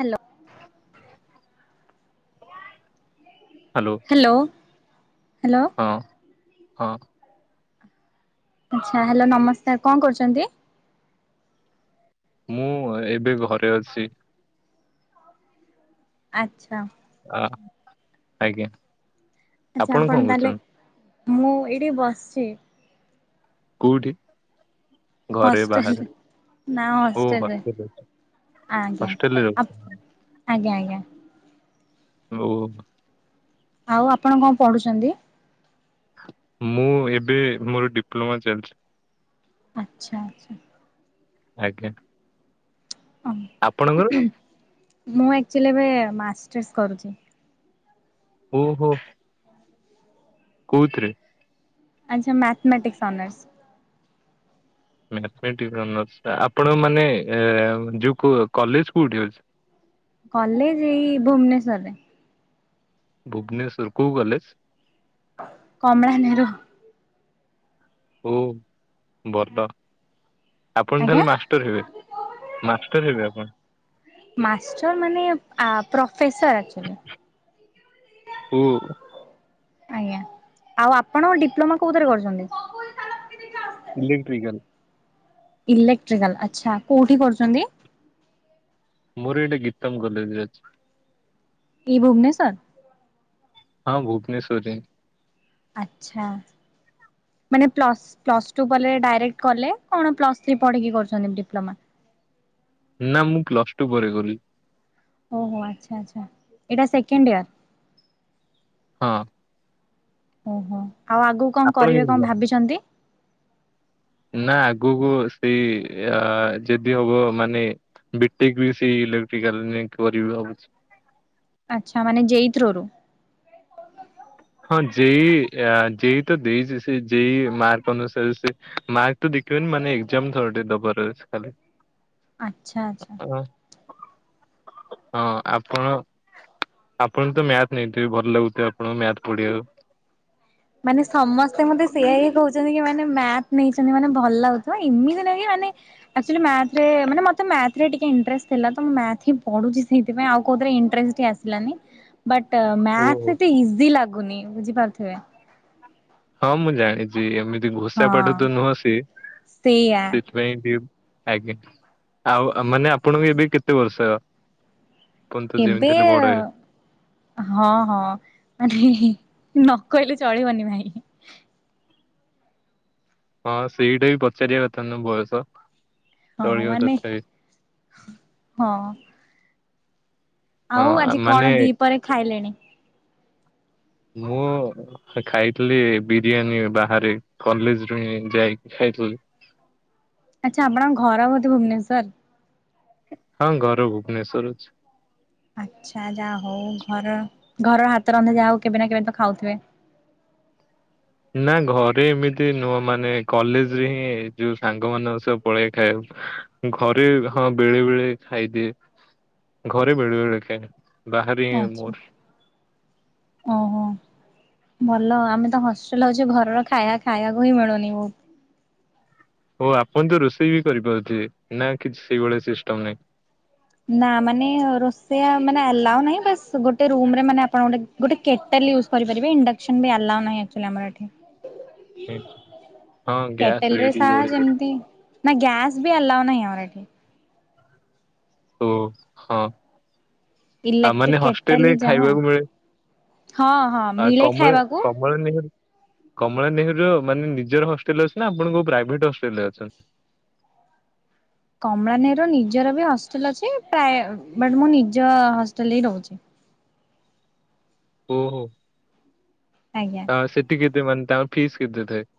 Hello. Hello hello hello ହଁ ହଁ। ଆଚ୍ଛା ହାଲୋ ନମସ୍କାର କଣ କରୁଚନ୍ତି? ମୁଁ ଏବେ ଘରେ ଅଛି। ଆଚ୍ଛା। ଆ ଆଜ୍ଞା। ଆଚ୍ଛା କଣ ଆପଣ ତାହେଲେ କରୁଛନ୍ତି? ମୁଁ ଏଇଠି ବସିଚି। କୋଉଠି ଘରେ ବାହାରେ ହଷ୍ଟେଲରେ। ନା ଓ ହ ହଷ୍ଟେଲରେ [unintelligible] ଆଜ୍ଞା ହଷ୍ଟେଲ ରେ ରହୁ ଆଜ୍ଞା ଆଜ୍ଞା ହାଲୋ। ଆଉ ଆପଣ କଣ ପଢୁଚନ୍ତି? ମୁଁ ଏବେ ମୋର ଡିପ୍ଲୋମା ଚାଲିଚି। ଆଚ୍ଛା ଆଛା। ଆଜ୍ଞା। ଆପଣଙ୍କର? ମୁଁ ଆକ୍ଚୁଲି ଏବେ ମାଷ୍ଟର୍ସ କରୁଛି। ଓହୋ। କୋଉଥିରେ? ଆଚ୍ଛା ମ୍ୟାଥମେଟିକ୍ସ ଅନର୍ସ। Mathematics honours. ଆପଣ ମାନେ ଯୋଉ କଲେଜ କୋଉଠି ଅଛି? କଲେଜ ଏଇ ଭୁବନେଶ୍ଵରରେ। ଭୁବନେଶ୍ୱର କୋଉ କଲେଜ? କମଳା ନେହେରୁ। ଓ ବରଡର। ଆପଣ ଆଜ୍ଞା ତାହେଲେ ମାଷ୍ଟର ହେବେ ମାଷ୍ଟର ହେବେ ଆପଣ? ମାଷ୍ଟର୍ ମାନେ ଆ ପ୍ରଫେସର। ହୁଁ। ଆଜ୍ଞା ଆଉ ଆପଣ ଡିପ୍ଲୋମା କୋଉଥିରେ କରୁଛନ୍ତି? ଇଲେକ୍ଟ୍ରିକାଲ। ଇଲେକ୍ଟ୍ରିକାଲ ଆଚ୍ଛା କୋଉଠି କରୁଛନ୍ତି? ମଁର ଏଇଠେ ଗୀତମ କଲେଜରେ ଅଛି। କି ଭୁବନେଶ୍ୱର। ହଁ ଭୁବନେଶ୍ୱରରେ। ଆଚ୍ଛା। ମାନେ ପ୍ଲସ୍ ପ୍ଲସ୍ ଟୁ କଲେ ଡାଇରେକ୍ଟ କଲେ କଣ ପ୍ଲସ୍ ଥ୍ରୀ ପଢ଼ିକି କରୁଛନ୍ତି ଡିପ୍ଲୋମା? ନା ମୁଁ ପ୍ଲସ ଟୁ ପରେ କଲି। ଓହୋ ଆଚ୍ଛା ଆଚ୍ଛା ଏଇଟା ସେକେଣ୍ଡ ଇୟର। ହଁ। ଓହୋ ଆଉ ଆଗକୁ କଣ ଆପଣ କରିବେ କେମିତି ଜାଣିଲେ? କଣ ଭାବିଛନ୍ତି? ନା ଆଗକୁ ସେଇ ଅ ଯଦି ହବ ମାନେ ବି ଟେକ ବି ସେଇ ଇଲେକ୍ଟ୍ରିକାଲରେ ଜାଇଁକି କରିବି ଭାବୁଛି। ଆଚ୍ଛା ମାନେ ଜେଇ ଥ୍ରୋରୁ? ହଁ ଯେଇ ଆ ଯେଇ ତ ଦେଇଛି ସେ ଯେଇ ମାର୍କ ଅନୁସାରେ ସେ ମାର୍କ ତ ଦେଖିବେନି ମାନେ ଏକ୍ଜାମ ଥରଟେ ଦବାର ଅଛି ଖାଲି। ଆଚ୍ଛା ଆଚ୍ଛା। ହଁ। ହଁ ଆପଣ? ଆପଣ ତ ମ୍ୟାଥ ନେଇଥିବେ ଭଲ ଲାଗୁଥିବ ଆପଣଙ୍କୁ ମ୍ୟାଥ ପଢିବାକୁ। ମାନେ ସମସ୍ତେ ମତେ ସେଇଆ ହିଁ କହୁଛନ୍ତି କି ମାନେ ମ୍ୟାଥ ନେଇଛନ୍ତି ମାନେ ଭଲ ଲାଗୁ ହଁ ଏମିତି ନାହିଁ କି ମାନେ ଅଛ ଆକଚୁଆଲି ମ୍ୟାଥରେ ମାନେ ମୋତେ ମ୍ୟାଥରେ ଟିକେ ଇଣ୍ଟରେଷ୍ଟ ଥିଲା ତ ମୁଁ ମ୍ୟାଥ ହି ପଢୁଛି ସେଥିପାଇଁ ଆଉ କୋଉଥିରେ ଇଣ୍ଟରେଷ୍ଟଟି ହିଁ ଆସଛ ଲାନି [unintelligible] ଓହୋ। ମ୍ୟାଥ ଏତେ ଇଜି ଲାଗୁନି ବୁଝିପାରୁଥିବେ। ହଁ ମୁଁ ଜାଣିଛି ଏମିତି ଘୋଷା ପାଠ ହଁ। ତ ନୁହଁ ସେ ସେଇଆ ସେ ପାଇଁ ଡ଼ିଉ ଆଜ୍ଞା ଆଉ ମାନେ ଆପଣଙ୍କୁ ଏବେ କେତେ ବର୍ଷ? ପନ୍ତ ଏବେ ଯେମିତି ହେଲେ ବଡ଼ ହେବେ। ହଁ ହଁ ମାନେ ନ କହିଲେ ଚଳିବନି ଭାଇ। ହଁ ସେଇଟା ବି ପଚାରିବା କଥା ନୁଃ ବୟସ ହଁ ଚଳିବ ମାନେ ତଥାପି। ହଁ। ଆଉ ହଁ ଆଜି ମାନେ କଣ ଦି ପହରେ ଖାଇଲେଣି? ମୁଁ। ଖାଇଥିଲି ଏ ବିରିୟାନୀ ବାହାରେ କଲେଜ ରୁ ହିଁ ଯାଇକି ଖାଇଥିଲି। ଆଚ୍ଛା ଆପଣଙ୍କ ଘର ବୋଧେ ଭୁବନେଶ୍ୱର? ହଁ ଘର ଭୁବନେଶ୍ୱର ଅଛି। ଆଚ୍ଛା ଯାଆ ହଉ ଘର ଘରର ହାତ ରନ୍ଧା ଯାହା ହଉ କେବେ ନା କେବେ ତ ଖାଉଥିବେ? ନା ଘରେ ଏମିତି ନୁହଁ ମାନେ କଲେଜରେ ହିଁ ଯୋଉ ସାଙ୍ଗମାନଙ୍କ ସହ ପଳାଏ ଖାଇଆକୁ। ଘରେ ହଁ ବେଳେ ବେଳେ ଖାଇ ଦିଏ ଘରେ ବେଳେ ବେଳେ ଖାଏ। ବାହାରେ ଆଚ୍ଛା। ମୋର। ଓହୋ। ଭଲ ଆମେ ତ ହଷ୍ଟେଲ ଅଛେ ଘରର ଖାୟା ଖାୟାକୁ ହିଁ ମିଳୁନି ବହୁତ। ଓ ଆପଣ ତ ରୋଷେଇ ବି କରିପାରୁଥିବେ ନା କିଛି ସେଇଭଳିଆ ସିଷ୍ଟମ ନାଇଁ? ନା ମାନେ ରୋଷେଆ ମାନେ ଆଲାଉ ନାହିଁ ବାସ୍ ଗୋଟେ ରୁମରେ ମାନେ ଆପଣ ଗୋଟେ ଗୋଟେ କେଟେଲ ୟୁଜ କରିପାରିବେ ଇଣ୍ଡକ୍ସନ୍ ବି ଆଲାଉ ନାହିଁ ଆକଚୁଆଲି ଆମର ଏଠି। ହଁ ଗ୍ୟାସ କେଟେଲ ରେ ରେଡି ସାହା କରିବେ। ଯେମତି ନା ଗ୍ୟାସ୍ ବି ଆଲାଉ ନାହିଁ ଆମର ଏଠି। ଓ ହଁ। ତା ଇଲେକ୍ଟ୍ରିକ ମାନେ କେଟେଲ ହଷ୍ଟେଲରେ ହିଁ ଯାହା ଖାଇବାକୁ ମିଳେ ହଁ ହଁ ଆ ମିଳେ କମ କମ ଖାଇବାକୁ। କମଳା ନେହେରୁ କମଳା ନେହେରୁର ମାନେ ନିଜର ହଷ୍ଟେଲ ଅଛି ନା ଆପଣ କୋଉ ପ୍ରାଇଭେଟ ହଷ୍ଟେଲ ରେ ଅଛନ୍ତି? କମଳା ନେହେରୁର ନିଜର ବି ହଷ୍ଟେଲ ଅଛି ପ୍ରାଏ ବଟ୍ ମୁଁ ନିଜ ହଷ୍ଟେଲରେ ହିଁ ରହୁଛି। ଓହୋ ଆଜ୍ଞା। ତା ସେଠି କେତେ ମାନେ ତାଙ୍କ ଫିସ୍ କେତେ ଥାଏ?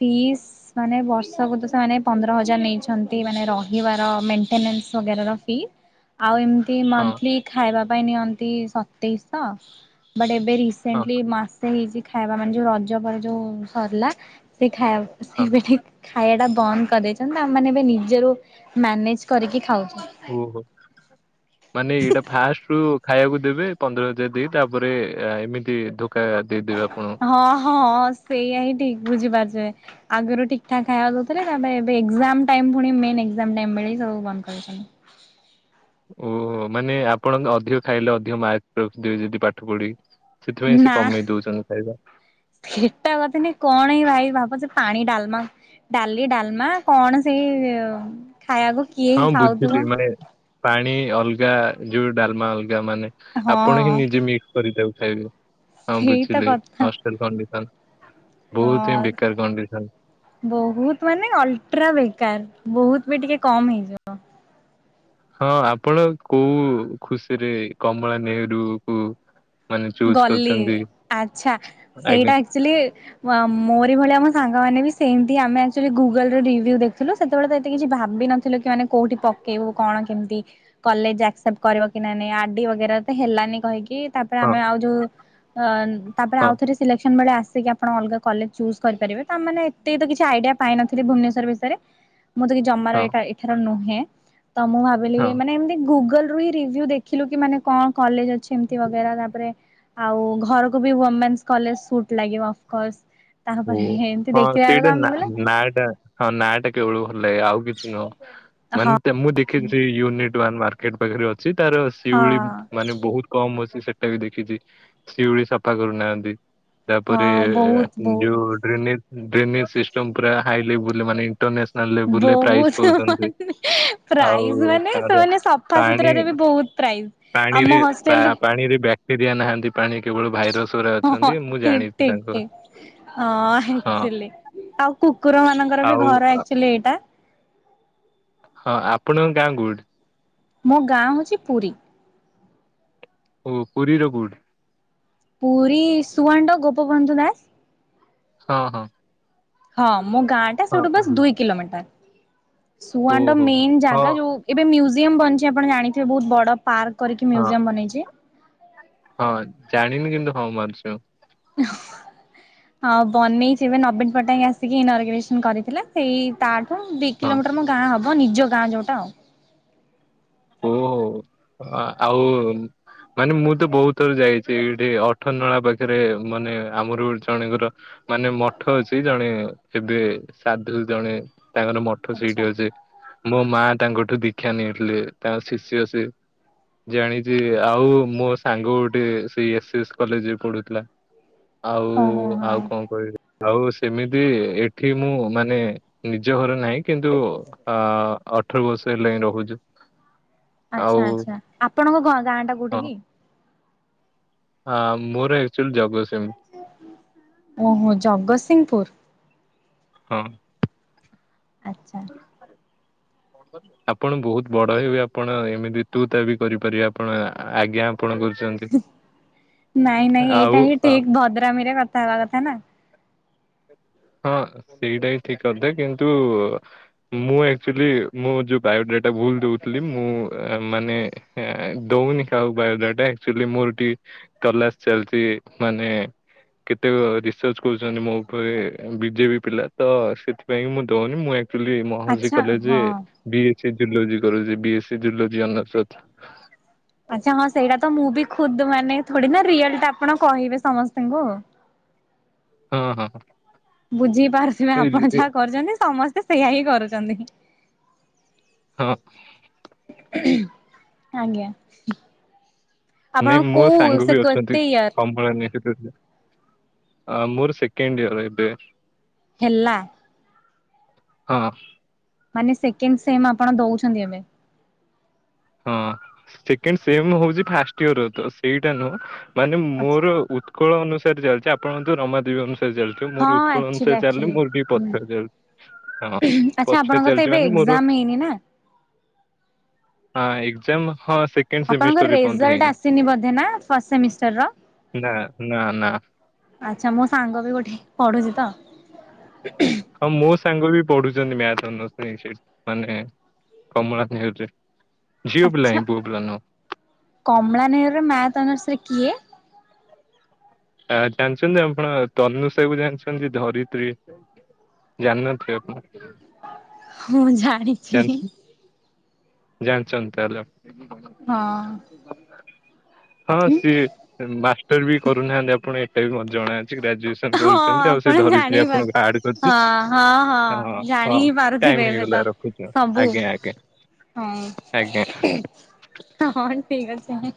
ଫିସ୍ ମାନେ ବର୍ଷକୁ ତ ସେମାନେ ପନ୍ଦର ହଜାର ନେଇଛନ୍ତି ମାନେ ରହିବାର ମେଣ୍ଟେନାନ୍ସ ବଗେରା ର ଫି ଆଉ ଏମ ହଁ ମନ୍ଥଲି ଖାଇବା ପାଇଁ ନିଅନ୍ତି ସତେଇଶ ବଟ୍ ଏବେ ହଁ ରିସେନ୍ଟିଲି ମାସ ସେ ହେଇଛି ଖାଇବା ମାନେ ଯୋଉ ରଜ ପରେ ଯୋଉ ସରିଲା ସେ ଖା ସେ ହଁ ବି ଠିକ୍ ଖାୟା ଟା ବନ୍ଦ କରିଦେଇଛନ୍ତି ଆମେମାନେ ଏବେ ନିଜରୁ ମ୍ୟାନେଜ କରିକି ଖାଉଛୁ। ଓହୋ। ହ ମାନେ ଏଇଟା ଫାଷ୍ଟ ରୁ ଖାଇଆକୁ ଦେବେ ପନ୍ଦର ହଜାର ଦେଇ ତାପରେ ଏମିତି ଖାଇଆ ଦେଇଦେବେ ଆପଣଙ୍କୁ। ହଁ ହଁ ସେୟା ହିଁ ଠିକ ବୁଝିପାରୁଥିବେ। ଆଗୁରୁ ଠିକ୍ ଠାକ୍ ଖାଇଆ ଦଉଥିଲେ ତାପରେ ଏବେ ଏକ୍ସାମ ଟାଇମ ଫୁଣି ମେନ୍ ଏକ୍ସାମ ଟାଇମ ବେଳେ ସବୁ ବନ୍ଦ କରିଦେଇଛନ୍ତି। ଓ ମାନେ ଆପଣ ଅଧିକ ଖାଇଲେ ଅଧିକ ମାର୍କ ରଖିଦେବେ ଯଦି ପାଠ ପଢି ସେଥିପାଇଁ ସେ କମେଇ ଦଉଛନ୍ତି ଖାଇବା। ସେଟା କଥା ନାଇ କଣ ଏଇ ଭାଇ ଭାବୁଛ ପାଣି ଡାଲମା ଡାଲି ଡାଲମା କଣ ସେଇ ଖାଇଆକୁ କିଏ ହଁ ହିଁ ବୁଝିଲି ଖାଉଥିବ। ମାନେ ପାଣି ଅଲଗା ଯୋଉ ଡାଲମା ଅଲଗା ମାନେ ଆପଣ ହିଁ ହଁ ନିଜେ କରି ତାକୁ ଖାଇ ଦିଅ ହଁ ସେଇ ତ ବୁଝିଲି କଥା ହଷ୍ଟେଲ କଣ୍ଡିସନ। ବହୁତ ହିଁ ହଁ। ବେକାର କଣ୍ଡିସନ। ବହୁତ ମାନେ ଅଲଟ୍ରା ବେକାର ବହୁତ ବି ଟିକେ କମ ହେଇଯିବ। ହଁ ଆପଣ କୋଉ ଖୁସିରେ କମଳା ନେହେରୁ କୁ ଗଲି ଆଚ୍ଛା ସେଇଟା ଆଜ୍ଞା ଆକଚୁଆଲି ଆ ମୋରି ଭଳିଆ ମୋ ସାଙ୍ଗମାନେ ବି ସେମିତି ଆମେ ଆକଚୁଆଲି ଗୁଗଲରେ ରିଭୁ ଦେଖୁଥିଲୁ ସେତେବେଳେ ତ ଏତେ କିଛି ଭାବିନ ଥିଲୁ କି ମାନେ କୋଉଠି ପକେଇବୁ କଣ କେମତି କଲେଜ ଆକ୍ସେପ୍ଟ କରିବ କି ନା ନାଇଁ ଆଡି ବଗେରା ତ ହେଲାନି କହିକି ତାପରେ ହଁ ଆମେ ଆଉ ଯୋଉ ଅ ତାପରେ ହଁ ଆଉଥରେ ସିଲେକ୍ସନ ବେଳେ ଆସିକି ଆପଣ ଅଲଗା କଲେଜ ଚୁଜ୍ କରିପାରିବେ ତାମାନେ ତେ ତ କିଛି ଆଇଡ଼ିଆ ପାଇନଥିଲି ଭୁବନେଶ୍ୱର ବିଷୟରେ ମୁଁ ତ କି ଜମାରୁ ହଁ ଏଥର ନୁହେଁ ତ ମୁଁ ଭାବିଲି ହଁ। କି ମାନେ ଏମତି ଗୁଗଲ ରୁ ହିଁ ରିୁଭ୍ୟୁ ଦେ ଖିଲୁ କି ମାନେ କ କଲେଜ୍ ଅଛି ଏମିତି ବଗେରା ରା ତେ ଆଉ ଘରୁକୁ ବି ଓମେନ୍ସ କଲେଜ୍ କୁ ଲାଗିବ କଜ୍ ଉଁ ହଁ ସେଇଟା ନାଁ ବୋଲେ ନାଟା ହଁ ନାଁଟା କେବଳ ଭଲ ଲାଗେ ଆଉ କିଛି ନୁହଁ ମାନେ ହଁ ତେ ମୁଁ ଦେଖିଚି ୟୁନି ଟ ୱାନ୍ ମାର୍କେଟ୍ ପାଖରେ ଅଛି ତାର ହଁ ଶିଉଳି ମାନେ ବହୁ କମ୍ ଅଛି ସେଟା ବି ଦେଖିଚି ଶିଉଳି ସଫା କରୁନାହାନ୍ତି ତାପରେ ହଁ ବହୁତ ବହୁତ ଡ ଡ୍ରେନେ ଡ୍ରେନେ ସିଷ୍ଟମ୍ ପୁରା ହାଇଲେବୁଲ୍ ମାନେ ଇଣ୍ଟରନେସ୍ ବହୁତୁ ଆଉ ପ୍ରାଇଜ୍ ମାନେ ତାର ସେମାନେ ସଫା ପାଣି ସୁତୁରାରେ ବି ବହୁ ପ୍ରାଇ- ପାଣିରେ ପା ପାଣିରେ ବ୍ୟା ଏରିଆ ନାହାନ୍ତି ପାଣି କେବଳ ଭାଇରସ୍ ଉରା ହଁ ଅଛନ୍ତି ମୁଁ ଠିକ ଜାଣିଛି ଠିକ ଠିକ ତାଙ୍କର। ହଁ ହଁ ଏକ୍ଚୁଲି ଆଉ କୁକୁରମାନଙ୍କର ବି ଆଉ ଘର ଏକ୍ଚୁଲି ଏଇଟା। ହଁ ଆପଣଙ୍କ ଗାଁ କୋଉଠି? ମୋ ଗାଁ ହଉଚି ପୁରୀ। ଓ ପୁରୀର କୋଉଠି? ପୁରୀ ସୁଆଣ୍ଡୋ ଗୋପବନ୍ଧୁ ନାଁ ହଁ ହଁ। ହଁ ମୋ ଗାଁଟା ହଁ ସେଉଠୁ ବାସ୍ ଗୁଡ୍। ଦୁଇ କିଲୋମିଟର୍ ସୁଆଣ୍ଡ ଓହୋ ମେନ୍ ହଁ ଜାଗା ଯୋଉ ଏବେ ମ୍ୟୁଜିୟମ୍ ବନଛି ଆପଣ ଜାଣିଥିବେ ବହୁତ ବଡ଼ ପାର୍କ କରିକି ହଁ ମ୍ୟୁଜିୟମ୍ ବନେଇଚି। ହଁ ଜାଣିନି କିନ୍ତୁ ହଁ ମାରୁଚ। ହଁ ବନେଇଚି ଏବେ ନବୀନ ପଟ୍ଟନାୟକ ଆସିକି ଏ ଇନଅରଗ୍ରେସନ୍ କରିଥିଲେ। ସେଇ ତାଠୁ ଦି ହଁ କିଲୋମିଟର୍ ମୋ ଗାଁ ହବ ନିଜ ଗାଁ ଯୋଉଟା ଆଉ। ଓହୋ ଆ ଆଉ ମାନେ ମୁଁ ତ ବହୁତ ଥର ଯାଇଚି ଏଇଠି ଅଠରନଳା ପାଖରେ ମାନେ ଆମର ଉ ଜଣେଙ୍କର ମାନେ ମଠ ଅଛି ଜଣେ ଏବେ ସାଧୁ ଜଣେ ତାଙ୍କର ମଠ ଆଚ୍ଛା ସେଇଠି ଅଛି। ମୋ ମା ତାଙ୍କଠୁ ଦୀକ୍ଷା ନେଇଥିଲେ ତାଙ୍କ ଶିଷ୍ୟ ସେ। ଜାଣିଚି ଆଉ ମୋ ସାଙ୍ଗ ଗୋଟେ ସେଇ ଏସ୍ ଏସ୍ କଲେଜ୍ ରେ ପଢୁ଼ଥୁଲା। ଆଉ ଓହୋ ହଁ ଆଉ କଣ କହିବି? ଆଉ ସେମିତି ଏଠି ମୁଁ ମାନେ ନିଜ ଘରେ ନାଇଁ। କିନ୍ତୁ ଅ ଅଠର ବର୍ଷ ହେଲାଇଁ ରହୁଚୁ। ଆଚ୍ଛା ଆଚ୍ଛା ଆପଣଙ୍କ ଘ ଗାଁଟା କୋଉଠି କି? ହଁ ମୋର ଏକ୍ଚୁଲି ଜଗସିଂ ଓହୋ ଜଗତସିଂହପୁର। ହଁ। ଆଚ୍ଛା। [inaudible] କଁ କରଚ? ଆପଣ ବୋହୁତ ବଡ଼ ହେବେ ଆପଣ ଏମିତି ତୁ ତା ବି କରିପାରିବେ ଆପଣ ଆଜ୍ଞା ଆପଣ କର ନାଇଁ ନାଇଁ ଆଉ ଏଇଟା ହିଁ ଆ, ଠିକ୍ ଭଦ୍ରାମୀରେ କଥା ହବା କଥା ନା? ହଁ ସେଇଟା ହିଁ ଠିକ୍ କଥା କିନ୍ତୁ ମୁଁ ଆକ୍ଚୁଲି ମୁଁ ଯୋଉ ବାୟୋଡାଟା ଭୁଲ୍ ଦୋଉଥୁଲି ମୁଁ ଏ ମାନେ ହେଁ ଦଉନି କାହାକୁ ବାୟୋଦାଟା ଏକ୍ଚୁଲି ମୋର ଟିକେ ତଲାସ ଚାଲଚି ମାନେ କେତେକ ରିସର୍ଚ କରୁଚନ୍ତି ମୋ ଉପରେ। ବିଜେବି ପିଲା ତ, ସେଥିପାଇଁ ମୁଁ ଦଉନି, ମୁଁ ଆକୁଚୁଆଲି ମହର୍ଷି ଆଚ୍ଛା ହଁ। କଲେଜରେ ବି ଏସ୍ ସ ଜୁଲୋଜି କରୁଚି, ବି ଏସ୍ ସ ଜୁଲୋଜି ଅନର୍ସ [unintelligible] ଆଛା ହଁ, ସେଇଟା ତ ମୁଁ ବି ଖୁଦ, ମାନେ ଥୋଡ଼ି ନା ରିଅଲ ଟା ଆପଣ କହିବେ ସମସ୍ତଙ୍କୁ? ହଁ ହଁ ହଁ। ବୁଝି ପାରୁଥିବେ, ଏଇ ଯେ- ଆପଣ ଏ- ଯାହା କରୁଚନ୍ତି ସମସ୍ତେ ସେଇଆ ହିଁ କରୁଚନ୍ତି। ହଁ। ଆଜ୍ଞା। ଆପଣ ନାଇଁ ମୋ କୋଉ ସାଙ୍ଗ ବି ସେ ଅଛନ୍ତି କେତେ ୟାର? [unintelligible] ଆ, ମୋର ସେକେଣ୍ଡ ୟର ଏବେ। ହେଲା? ହଁ। ମାନେ ସେକେଣ୍ଡ ସେମ୍ ଆପଣ ଦଉଛନ୍ତି ଏବେ? ହଁ, ସେକେଣ୍ଡ ସେମ ହଉଚି ଫାଷ୍ଟ ଇୟର ତ, ସେଇଟା ନୁହଁ, ମାନେ ଆଚ୍ଛା ମୋର ଉ ଉତ୍କଳ ଅନୁସାରେ ଚାଲିଚି, ଆପଣଙ୍କୁୁ ତ ରମାଦେବୀ ଅନୁସାରେ ଚାଲି ହଁ ମୋର ଉତ୍କଳ ଆକ୍ଚୁଆଲି ଅନୁସାରେ ଚାଲିନି, ଆକ୍ଚୁଆଲି ମୋର ଟିକେ ପଛୁଆ ଚାଲି, ହଁ, ଆଚ୍ଛା ପଛୁଆ ଆପଣଙ୍କର ତ ଚାଲିଚି ଏବେ ମାନେ ମୋର ଏକ୍ଜାମ ହେଇନି ନା? ହଁ, ଏଗଜାମ ହଁ, ସେ ଆପଣଙ୍କର ରେଜାଲ୍ଟ ଆସିନି ବୋଧେ ନା, ଫାଷ୍ଟ ସେମିଷ୍ଟାର ର। ନା ନା ନା ଆଛା, ମୋ ସାଙ୍ଗ ବି ଗୋଠେ ପଢୁଛି ତ, ଉଁ ଖୁଁ। ହଁ, ମୋ ସାଙ୍ଗ ବି ପଢୁଚନ୍ତି, ମ୍ୟାଥ ଅନଶ୍ର ସେଠି ମାନେ କମଳା [unintelligible] ଝିଅ ପିଲା ହ୍ନି, ପୁଅ ପିଲା ନୁହଁ। କମଳାନେୟରେ ମ୍ୟାଥ ଅନର୍ଶରେ କିଏ? ଆ, ଜାଣିଚନ୍ତି ଆପଣ, ତନୁସା କୁ ଜାଣିଚନ୍ତି ଧରିତ୍ରୀ ଜାନି ନଥିବେ ଆପଣ? ହଁ, ଜାଣି ଜାଣିଚନ୍ତି, ଜାଣିଚନ୍ତି ତାଲେ ଆପଣ? ହଁ ଅଁ। ହଁ ସିଏ, ମାଷ୍ଟର ବି କରୁନାହାନ୍ତି ଆପଣ ଏଇଟା ବି ମତେ ଜଣା ଅଛି, ଗ୍ରାଜୁଏସନ ହଁ, କରୁଛନ୍ତି ଆଉ ସେ ଆପଣ ଧରିତ୍ରୀ ଜାଣିପାରୁ, ଆପଣଙ୍କୁ ଆଡ କରିଛି ହଁ ହଁ ହଁ, ହଁ ଜାଣିି ହିଁ ଟାଇମ ପାରୁଥିବେ ଏବେ ହେଇଗଲା ତ। ରଖୁଛି ସବୁ, ଆଜ୍ଞା ଆଜ୍ଞା ଆଜ୍ଞା। ହୁଁ। ହଁ, ଠିକ ଅଛି